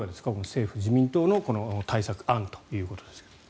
政府・自民党の対策、案ということですが。